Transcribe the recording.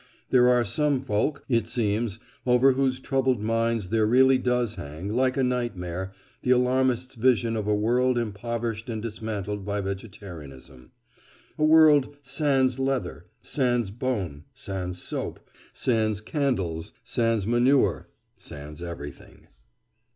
There are some folk, it seems, over whose troubled minds there really does hang, like a nightmare, the alarmist's vision of a world impoverished and dismantled by vegetarianism—a world sans leather, sans bone, sans soap, sans candles, sans manure, sans everything.